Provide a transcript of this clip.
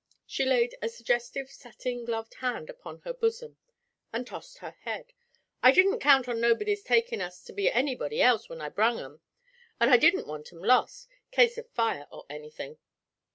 She laid a suggestive satin gloved hand upon her bosom and tossed her head. 'I didn't count on nobody's takin' us to be anybody else when I brung 'em, but I didn't want 'em lost, case of fire or anything.'